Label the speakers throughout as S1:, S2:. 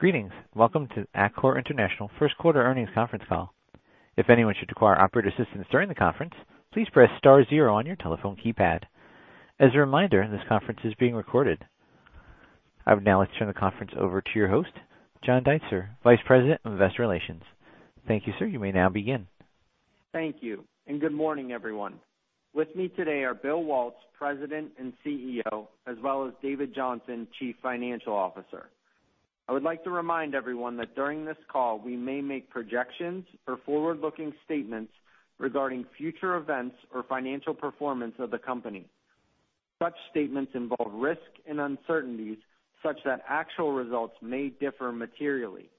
S1: Greetings. Welcome to Atkore International first quarter earnings conference call. If anyone should require operator assistance during the conference, please press star zero on your telephone keypad. As a reminder, this conference is being recorded. I would now like to turn the conference over to your host, John Deitzer, Vice President of Investor Relations. Thank you, sir. You may now begin.
S2: Thank you, good morning, everyone. With me today are William Waltz, President and CEO, as well as David Johnson, Chief Financial Officer. I would like to remind everyone that during this call, we may make projections or forward-looking statements regarding future events or financial performance of the company. Such statements involve risks and uncertainties such that actual results may differ materially.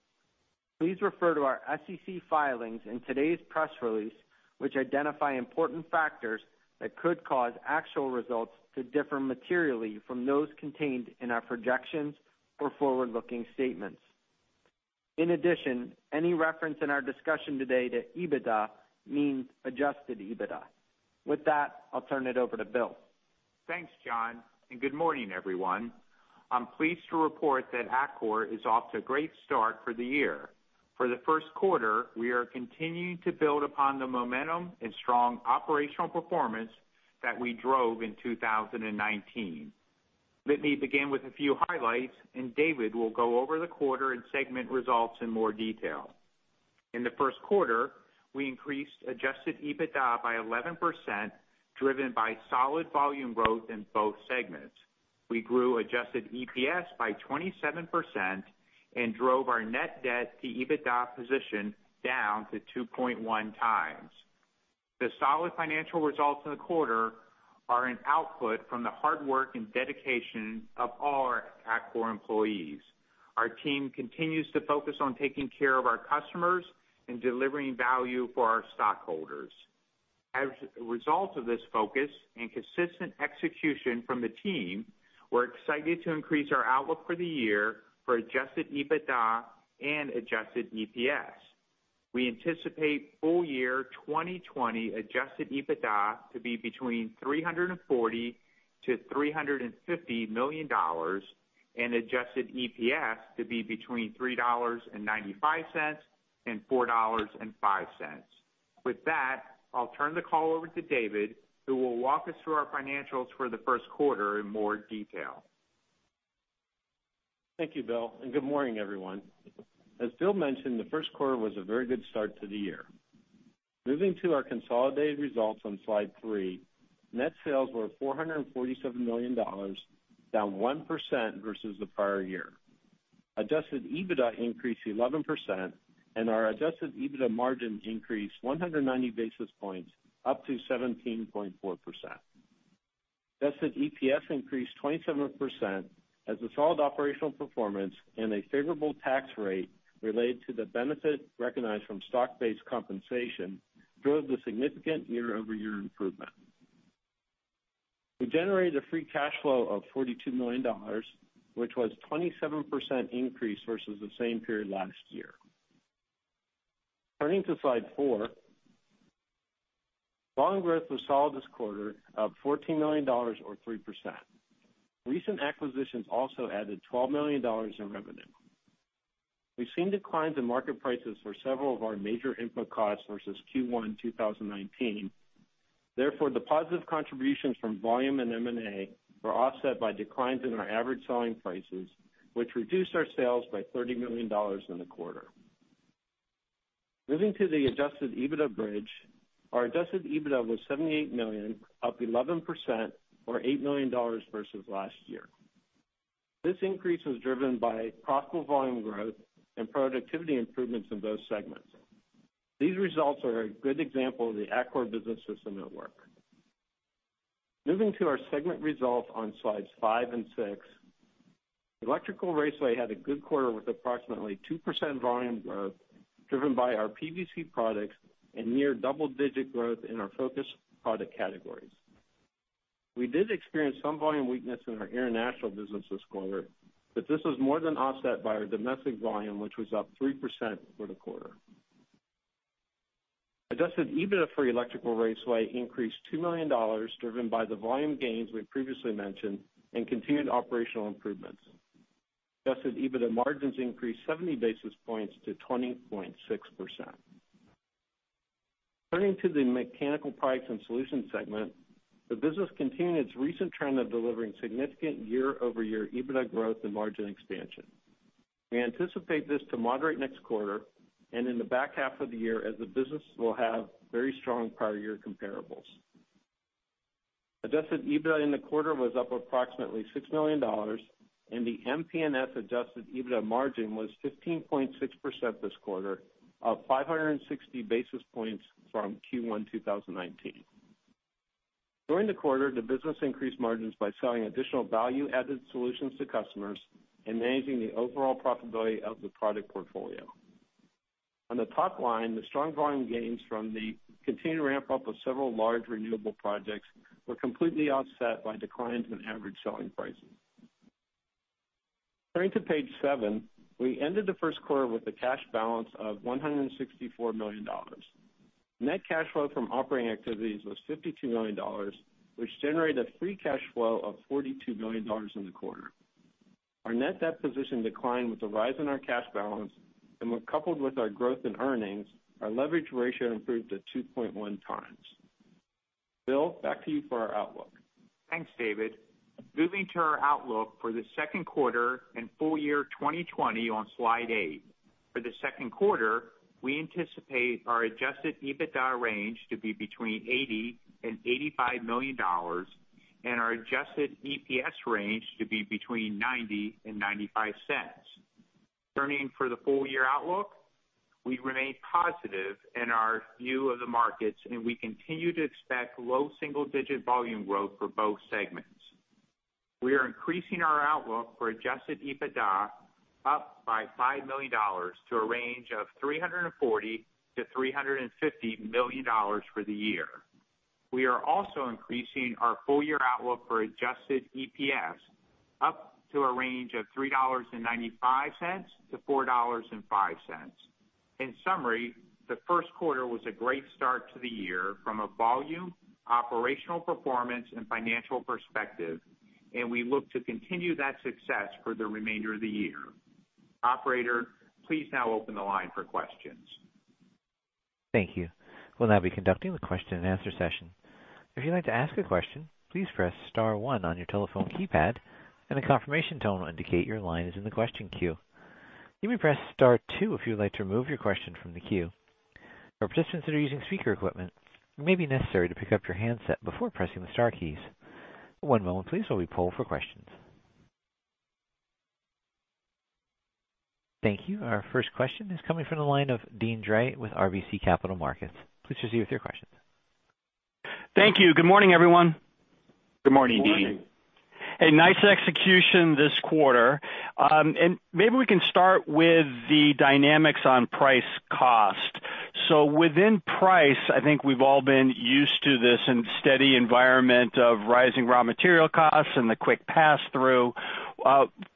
S2: Please refer to our SEC filings and today's press release, which identify important factors that could cause actual results to differ materially from those contained in our projections or forward-looking statements. In addition, any reference in our discussion today to EBITDA means adjusted EBITDA. With that, I'll turn it over to William Waltz.
S3: Thanks, John Deitzer. Good morning, everyone. I'm pleased to report that Atkore is off to a great start for the year. For the first quarter, we are continuing to build upon the momentum and strong operational performance that we drove in 2019. Let me begin with a few highlights. David Johnson will go over the quarter and segment results in more detail. In the first quarter, we increased adjusted EBITDA by 11%, driven by solid volume growth in both segments. We grew adjusted EPS by 27%, drove our net debt to EBITDA position down to 2.1 times. The solid financial results in the quarter are an output from the hard work and dedication of all our Atkore employees. Our team continues to focus on taking care of our customers and delivering value for our stockholders. As a result of this focus and consistent execution from the team, we're excited to increase our outlook for the year for adjusted EBITDA and adjusted EPS. We anticipate full year 2020 adjusted EBITDA to be between $340 million-$350 million and adjusted EPS to be between $3.95 and $4.05. With that, I'll turn the call over to David Johnson, who will walk us through our financials for the first quarter in more detail.
S4: Thank you, William Waltz. Good morning, everyone. As William Waltz mentioned, the first quarter was a very good start to the year. Moving to our consolidated results on slide three, net sales were $447 million, down 1% versus the prior year. Adjusted EBITDA increased 11%. Our adjusted EBITDA margins increased 190 basis points, up to 17.4%. Adjusted EPS increased 27% as the solid operational performance and a favorable tax rate related to the benefit recognized from stock-based compensation drove the significant year-over-year improvement. We generated a free cash flow of $42 million, which was 27% increase versus the same period last year. Turning to slide four. Volume growth was solid this quarter, up $14 million or 3%. Recent acquisitions also added $12 million in revenue. We've seen declines in market prices for several of our major input costs versus Q1 2019. Therefore, the positive contributions from volume and M&A were offset by declines in our average selling prices, which reduced our sales by $30 million in the quarter. Moving to the adjusted EBITDA bridge. Our adjusted EBITDA was $78 million, up 11% or $8 million versus last year. This increase was driven by profitable volume growth and productivity improvements in both segments. These results are a good example of the Atkore Business System at work. Moving to our segment results on slides five and six. Electrical Raceway had a good quarter with approximately 2% volume growth driven by our PVC products and near double-digit growth in our focus product categories. We did experience some volume weakness in our international business this quarter, but this was more than offset by our domestic volume, which was up 3% for the quarter. Adjusted EBITDA for Electrical Raceway increased $2 million driven by the volume gains we previously mentioned and continued operational improvements. Adjusted EBITDA margins increased 70 basis points to 20.6%. Turning to the Mechanical Products and Solutions segment. The business continued its recent trend of delivering significant year-over-year EBITDA growth and margin expansion. We anticipate this to moderate next quarter and in the back half of the year as the business will have very strong prior year comparables. Adjusted EBITDA in the quarter was up approximately $6 million, and the MP&S adjusted EBITDA margin was 15.6% this quarter, up 560 basis points from Q1 2019. During the quarter, the business increased margins by selling additional value-added solutions to customers and managing the overall profitability of the product portfolio. On the top line, the strong volume gains from the continued ramp-up of several large renewable projects were completely offset by declines in average selling prices. Turning to page seven, we ended the first quarter with a cash balance of $164 million. Net cash flow from operating activities was $52 million, which generated a free cash flow of $42 million in the quarter. Our net debt position declined with the rise in our cash balance, and when coupled with our growth in earnings, our leverage ratio improved to 2.1 times. William Waltz, back to you for our outlook.
S3: Thanks, David. Moving to our outlook for the second quarter and full year 2020 on slide eight. For the second quarter, we anticipate our adjusted EBITDA range to be between $80 million and $85 million, and our adjusted EPS range to be between $0.90 and $0.95. Turning for the full year outlook, we remain positive in our view of the markets, and we continue to expect low single-digit volume growth for both segments. We are increasing our outlook for adjusted EBITDA up by $5 million to a range of $340 million-$350 million for the year. We are also increasing our full year outlook for adjusted EPS up to a range of $3.95-$4.05. In summary, the first quarter was a great start to the year from a volume, operational performance, and financial perspective, and we look to continue that success for the remainder of the year. Operator, please now open the line for questions.
S1: Thank you. We'll now be conducting the question and answer session. If you'd like to ask a question, please press star one on your telephone keypad, and a confirmation tone will indicate your line is in the question queue. You may press star two if you would like to remove your question from the queue. For participants that are using speaker equipment, it may be necessary to pick up your handset before pressing the star keys. One moment please while we poll for questions. Thank you. Our first question is coming from the line of Deane Dray with RBC Capital Markets. Please proceed with your questions.
S5: Thank you. Good morning, everyone.
S3: Good morning, Deane Dray.
S2: Good morning.
S5: A nice execution this quarter. Maybe we can start with the dynamics on price cost. Within price, I think we've all been used to this steady environment of rising raw material costs and the quick pass-through.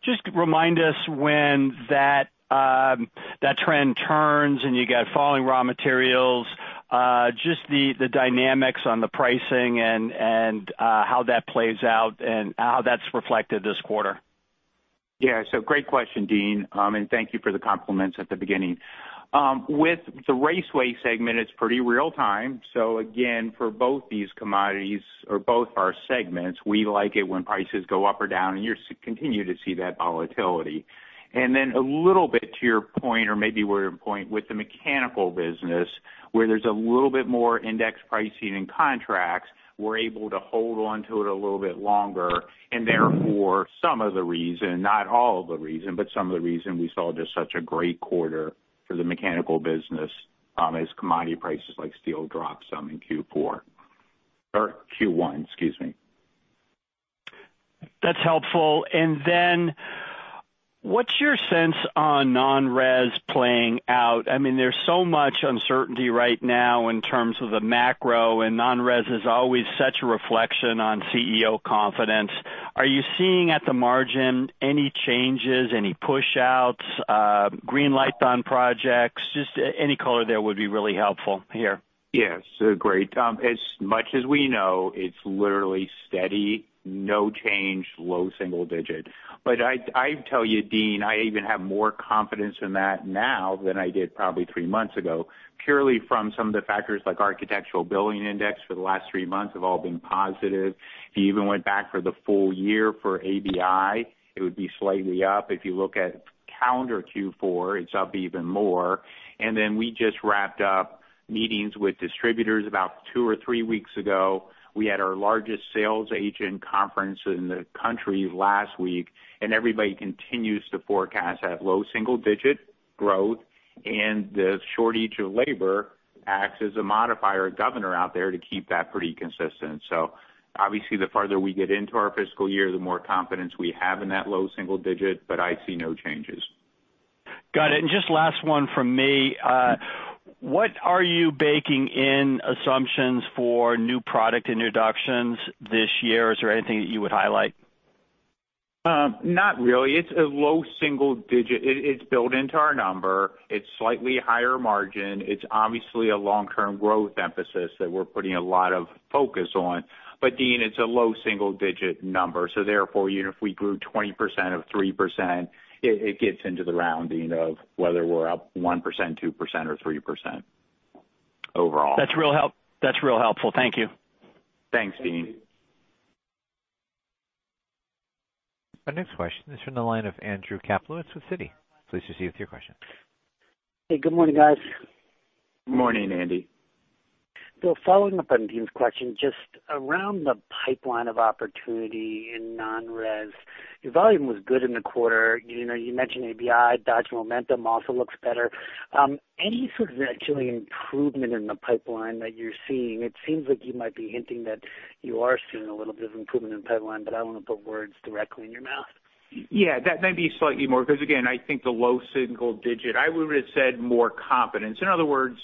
S5: Just remind us when that trend turns and you get falling raw materials, just the dynamics on the pricing and how that plays out and how that's reflected this quarter.
S3: Yeah. Great question, Deane Dray, and thank you for the compliments at the beginning. With the Raceway segment, it's pretty real time. Again, for both these commodities or both our segments, we like it when prices go up or down, and you continue to see that volatility. A little bit to your point or maybe where your point with the Mechanical business, where there's a little bit more index pricing and contracts, we're able to hold on to it a little bit longer, and therefore some of the reason, not all of the reason, but some of the reason we saw just such a great quarter for the Mechanical business as commodity prices like steel dropped some in Q4, or Q1, excuse me.
S5: That's helpful. What's your sense on non-res playing out? There's so much uncertainty right now in terms of the macro, and non-res is always such a reflection on CEO confidence. Are you seeing at the margin any changes, any push-outs, green lights on projects? Just any color there would be really helpful here.
S3: Yes. Great. As much as we know, it's literally steady, no change, low single-digit. I tell you, Deane Dray, I even have more confidence in that now than I did probably three months ago, purely from some of the factors like Architectural Billing Index for the last three months have all been positive. If you even went back for the full year for ABI, it would be slightly up. If you look at calendar Q4, it's up even more. We just wrapped up meetings with distributors about two or three weeks ago. We had our largest sales agent conference in the country last week, and everybody continues to forecast that low single-digit growth and the shortage of labor acts as a modifier or governor out there to keep that pretty consistent. Obviously, the farther we get into our fiscal year, the more confidence we have in that low single digit, but I see no changes.
S5: Got it. Just last one from me. What are you baking in assumptions for new product introductions this year? Is there anything that you would highlight?
S3: Not really. It's a low single-digit. It's built into our number. It's slightly higher margin. It's obviously a long-term growth emphasis that we're putting a lot of focus on. Deane Dray, it's a low single-digit number, therefore, even if we grew 20% of 3%, it gets into the rounding of whether we're up 1%, 2%, or 3% overall.
S5: That's real helpful. Thank you.
S3: Thanks, Deane Dray.
S1: Our next question is from the line of Andrew Kaplowitz with Citi. Please proceed with your question.
S6: Hey, good morning, guys.
S3: Morning, Andrew Kaplowitz.
S6: William Waltz, following up on Deane Dray's question, just around the pipeline of opportunity in non-res. Your volume was good in the quarter. You mentioned ABI, Dodge momentum also looks better. Any sort of actually improvement in the pipeline that you're seeing? It seems like you might be hinting that you are seeing a little bit of improvement in pipeline, but I don't want to put words directly in your mouth.
S3: Yeah, maybe slightly more because again, I think the low single digit, I would have said more confidence. In other words,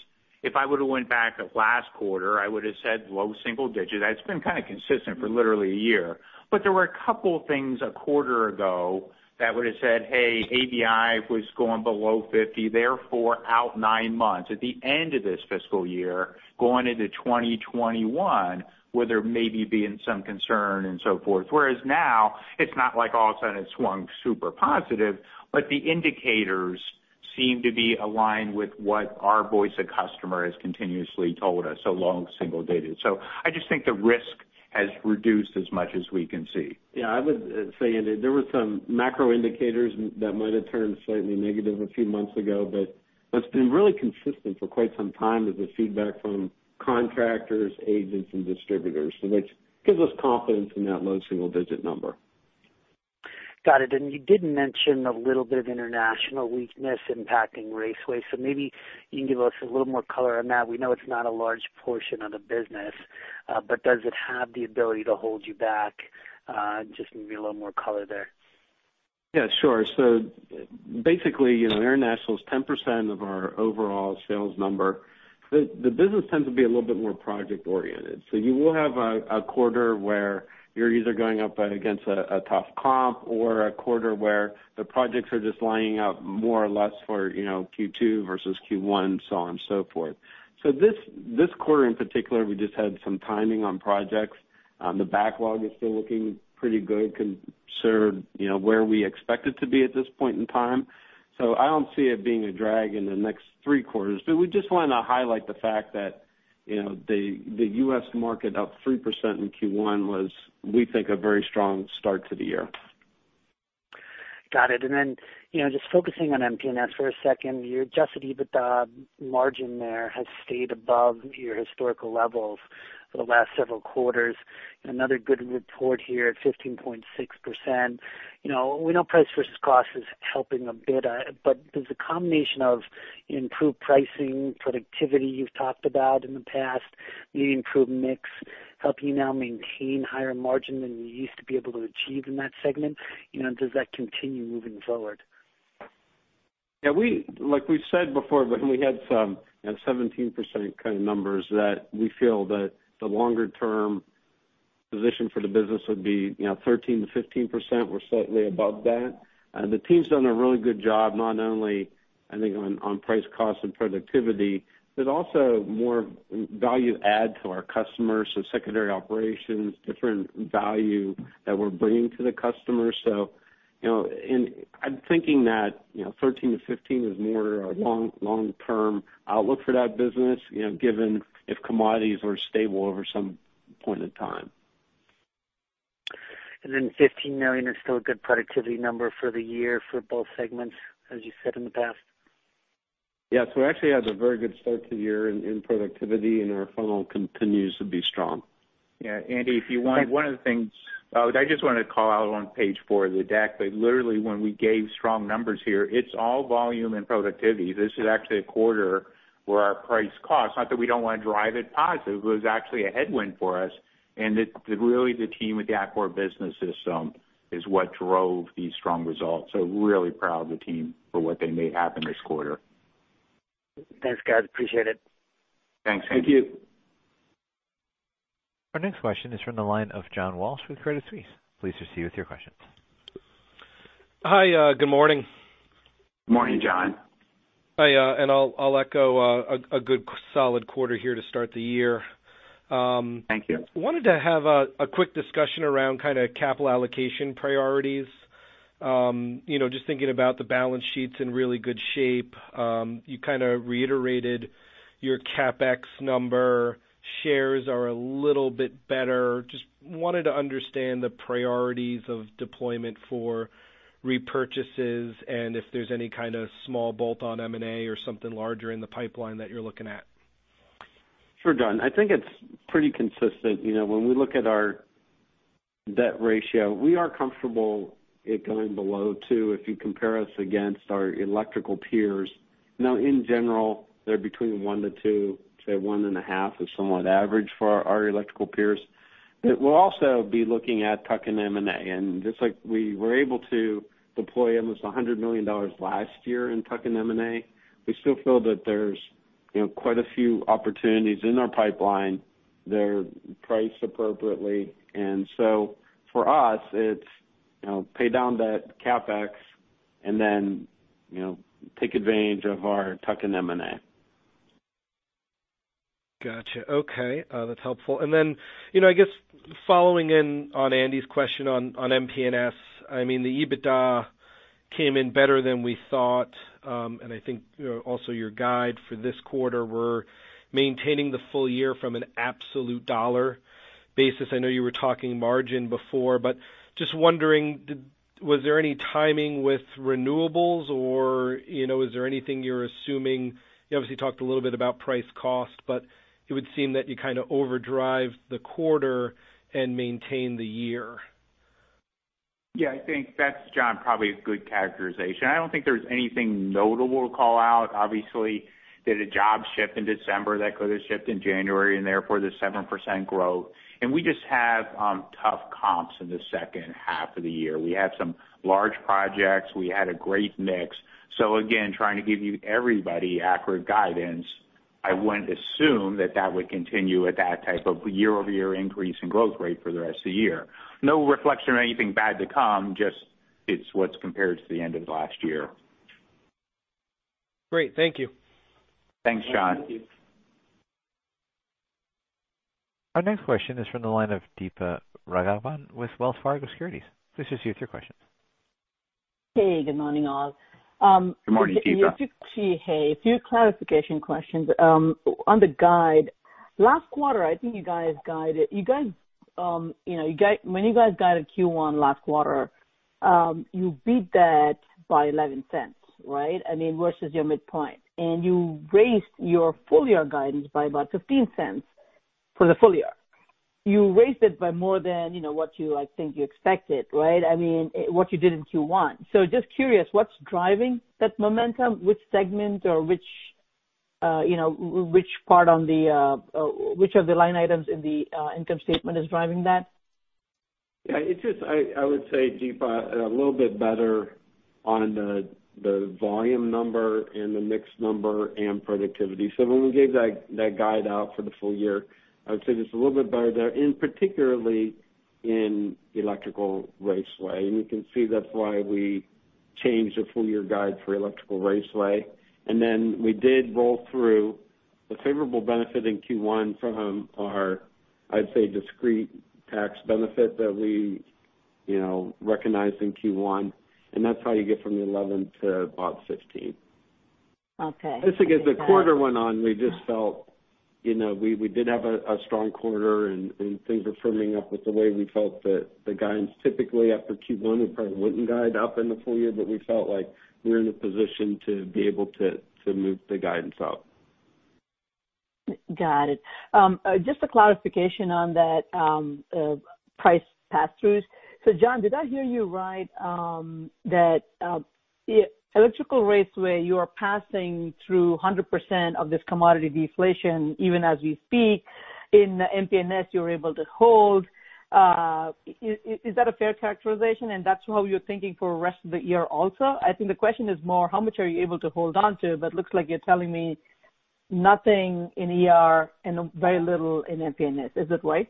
S3: if I would've went back at last quarter, I would've said low single digit. It's been kind of consistent for literally a year. There were a couple of things a quarter ago that would've said, "Hey, ABI was going below 50%, therefore out nine months at the end of this fiscal year, going into 2021, where there may be being some concern," and so forth. Whereas now, it's not like all of a sudden it's swung super positive, but the indicators seem to be aligned with what our voice of customer has continuously told us, so low single digits. I just think the risk has reduced as much as we can see.
S4: Yeah, I would say, Andrew, there were some macro indicators that might've turned slightly negative a few months ago. It's been really consistent for quite some time as the feedback from contractors, agents, and distributors, which gives us confidence in that low single-digit number.
S6: Got it. You did mention a little bit of international weakness impacting Raceways, so maybe you can give us a little more color on that. We know it's not a large portion of the business, but does it have the ability to hold you back? Just maybe a little more color there.
S4: Yeah, sure. Basically, international is 10% of our overall sales number. The business tends to be a little bit more project-oriented. You will have a quarter where you're either going up against a tough comp or a quarter where the projects are just lining up more or less for Q2 versus Q1, so on and so forth. This quarter in particular, we just had some timing on projects. The backlog is still looking pretty good considering where we expect it to be at this point in time. I don't see it being a drag in the next three quarters. We just want to highlight the fact that the U.S. market up 3% in Q1 was, we think, a very strong start to the year.
S6: Got it. Just focusing on MP&S for a second, your adjusted EBITDA margin there has stayed above your historical levels for the last several quarters. Another good report here at 15.6%. We know price versus cost is helping a bit, but does the combination of improved pricing, productivity you've talked about in the past, maybe improved mix, help you now maintain higher margin than you used to be able to achieve in that segment? Does that continue moving forward?
S4: Yeah. Like we said before when we had some 17% kind of numbers, that we feel that the longer-term position for the business would be 13%-15%. We're slightly above that. The team's done a really good job, not only, I think, on price, cost, and productivity, but also more value add to our customers, so secondary operations, different value that we're bringing to the customer. I'm thinking that 13%-15% is more a long-term outlook for that business, given if commodities were stable over some point in time.
S6: Then $15 million is still a good productivity number for the year for both segments, as you said in the past?
S4: Yeah. We actually had a very good start to the year in productivity, and our funnel continues to be strong.
S3: Yeah. Andrew Kaplowitz, if you want, one of the things I just want to call out on page four of the deck, but literally when we gave strong numbers here, it's all volume and productivity. This is actually a quarter where our price cost, not that we don't want to drive it positive, it was actually a headwind for us. Really the team with the Atkore Business System is what drove these strong results. Really proud of the team for what they made happen this quarter.
S6: Thanks, guys. Appreciate it.
S3: Thanks.
S4: Thank you.
S1: Our next question is from the line of John Walsh with Credit Suisse. Please proceed with your questions.
S7: Hi. Good morning.
S3: Morning, John Walsh.
S7: Hi, I'll echo a good, solid quarter here to start the year.
S3: Thank you.
S7: Wanted to have a quick discussion around capital allocation priorities. Just thinking about the balance sheet's in really good shape. You kind of reiterated your CapEx number. Shares are a little bit better. Just wanted to understand the priorities of deployment for repurchases and if there's any kind of small bolt-on M&A or something larger in the pipeline that you're looking at.
S4: Sure, John Walsh. I think it's pretty consistent. When we look at our debt ratio, we are comfortable it going below two, if you compare us against our electrical peers. In general, they're between one to two, say, one and a half is somewhat average for our electrical peers. We'll also be looking at tuck-in M&A. Just like we were able to deploy almost $100 million last year in tuck-in M&A, we still feel that there's quite a few opportunities in our pipeline. They're priced appropriately. For us, it's pay down debt CapEx and then take advantage of our tuck-in M&A.
S7: Got you. Okay. That's helpful. Then, I guess following in on Andrew Kaplowitz question on MP&S, the EBITDA came in better than we thought. I think also your guide for this quarter, we're maintaining the full year from an absolute dollar basis. I know you were talking margin before, but just wondering, was there any timing with renewables or is there anything you're assuming? You obviously talked a little bit about price cost, but it would seem that you kind of overdrive the quarter and maintain the year.
S4: Yeah, I think that's, John Walsh, probably a good characterization. I don't think there's anything notable to call out. Obviously, did a job shift in December that could've shifted in January, and therefore, the 7% growth. We just have tough comps in the second half of the year. We had some large projects. We had a great mix. Again, we are trying to give you everybody accurate guidance. I wouldn't assume that that would continue at that type of year-over-year increase in growth rate for the rest of the year. No reflection of anything bad to come, just it's what's compared to the end of last year.
S7: Great. Thank you.
S4: Thanks, John Walsh.
S7: Thank you.
S1: Our next question is from the line of Deepa Raghavan with Wells Fargo Securities. This is you. It's your question. Hey, good morning, all.
S4: Good morning, Deepa Raghavan.
S8: Just actually, hey, a few clarification questions. On the guide, last quarter, I think you guys, when you guys guided Q1 last quarter, you beat that by $0.11, right? I mean, versus your midpoint. You raised your full-year guidance by about $0.15 for the full year. You raised it by more than what you, I think, you expected, right? I mean, what you did in Q1. Just curious, what's driving that momentum? Which segment or which of the line items in the income statement is driving that?
S4: Yeah, it's just, I would say, Deepa Raghavan, a little bit better on the volume number and the mix number and productivity. When we gave that guide out for the full year, I would say just a little bit better there, and particularly in Electrical Raceway. You can see that's why we changed the full-year guide for Electrical Raceway. Then we did roll through the favorable benefit in Q1 from our, I'd say, discrete tax benefit that we recognized in Q1, and that's how you get from the 11% to about 16%.
S8: Okay.
S4: I think as the quarter went on, we just felt, we did have a strong quarter. Things are firming up with the way we felt that the guidance typically after Q1, we probably wouldn't guide up in the full year, but we felt like we were in a position to be able to move the guidance up.
S8: Got it. Just a clarification on that price pass-throughs. David Johnson, did I hear you right? That Electrical Raceway, you are passing through 100% of this commodity deflation, even as we speak. In MP&S, you're able to hold. Is that a fair characterization, and that's how you're thinking for rest of the year also? I think the question is more how much are you able to hold on to? Looks like you're telling me nothing in ER and very little in MP&S. Is it right?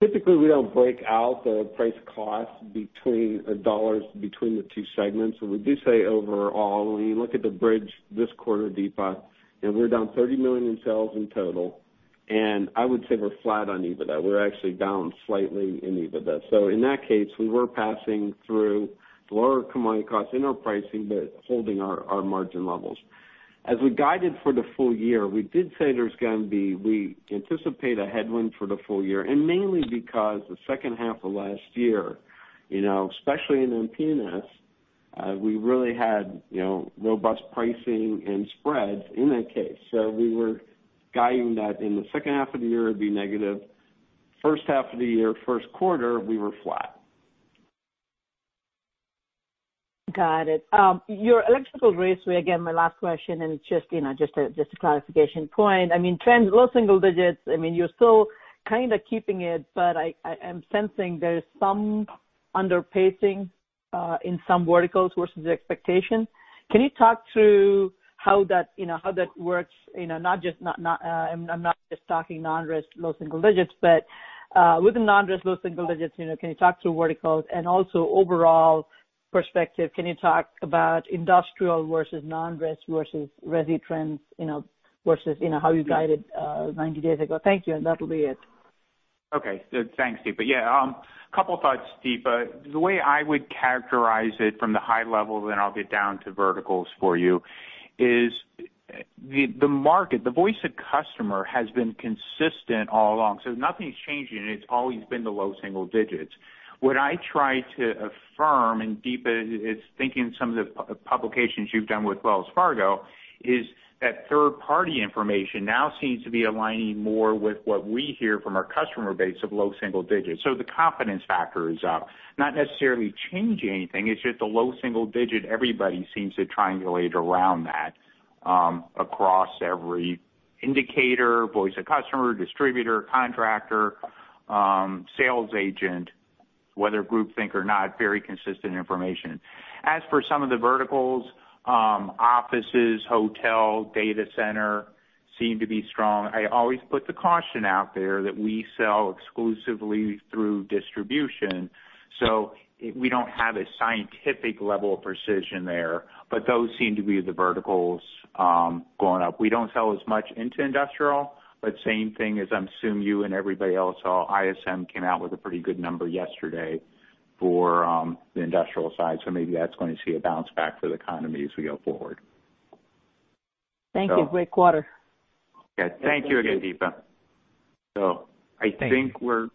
S4: Typically, we don't break out the price cost between the dollars between the two segments. We do say overall, when you look at the bridge this quarter, Deepa Raghavan, and we're down $30 million in sales in total, and I would say we're flat on EBITDA. We're actually down slightly in EBITDA. In that case, we were passing through lower commodity costs in our pricing, but holding our margin levels. As we guided for the full year, we anticipate a headwind for the full year, and mainly because the second half of last year, especially in MP&S, we really had robust pricing and spreads in that case. We were guiding that in the second half of the year, it'd be negative. First half of the year, first quarter, we were flat.
S8: Got it. Your Electrical Raceway, again, my last question. It's just a clarification point. I mean, trends, low single digits. You're still kind of keeping it. I'm sensing there's some underpacing in some verticals versus the expectation. Can you talk through how that works? I'm not just talking non-res low single digits. Within non-res low single digits, can you talk through verticals and also overall perspective, can you talk about industrial versus non-res versus resi trends, versus how you guided 90 days ago? Thank you. That'll be it.
S4: Okay. Thanks, Deepa Raghavan. Yeah. Couple thoughts, Deepa Raghavan. The way I would characterize it from the high level, then I'll get down to verticals for you, is the market, the voice of customer has been consistent all along. Nothing's changing. It's always been the low single digits. What I try to affirm, and Deepa Raghavan is thinking some of the publications you've done with Wells Fargo, is that third-party information now seems to be aligning more with what we hear from our customer base of low single digits. The confidence factor is up. Not necessarily changing anything, it's just a low single digit. Everybody seems to triangulate around that across every indicator, voice of customer, distributor, contractor, sales agent, whether group think or not, very consistent information. As for some of the verticals, offices, hotel, data center seem to be strong. I always put the caution out there that we sell exclusively through distribution, so we don't have a scientific level of precision there. Those seem to be the verticals going up. We don't sell as much into industrial, but same thing as I'm assuming you and everybody else saw, ISM came out with a pretty good number yesterday for the industrial side. Maybe that's going to see a bounce back for the economy as we go forward.
S8: Thank you. Great quarter.
S4: Yeah. Thank you again, Deepa Raghavan.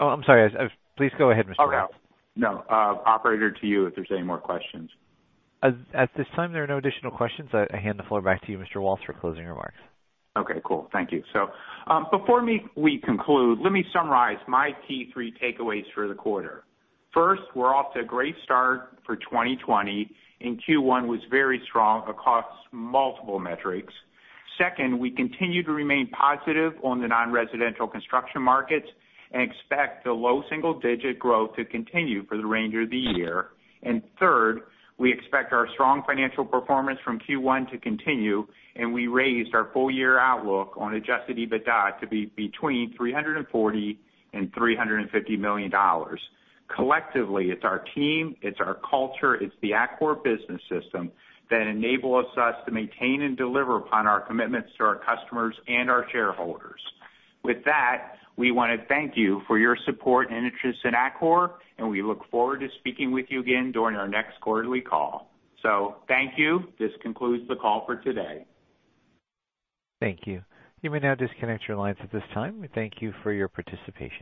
S1: Oh, I'm sorry. Please go ahead, Mr. William Waltz. No. Operator, to you if there's any more questions. At this time, there are no additional questions. I hand the floor back to you, Mr. William Waltz, for closing remarks.
S3: Okay, cool. Thank you. Before we conclude, let me summarize my Q3 takeaways for the quarter. First, we're off to a great start for 2020, and Q1 was very strong across multiple metrics. Second, we continue to remain positive on the non-residential construction markets and expect the low single-digit growth to continue for the remainder of the year. Third, we expect our strong financial performance from Q1 to continue, and we raised our full year outlook on adjusted EBITDA to be between $340 million and $350 million. Collectively, it's our team, it's our culture, it's the Atkore Business System that enables us to maintain and deliver upon our commitments to our customers and our shareholders. With that, we want to thank you for your support and interest in Atkore, and we look forward to speaking with you again during our next quarterly call. Thank you. This concludes the call for today.
S1: Thank you. You may now disconnect your lines at this time. We thank you for your participation.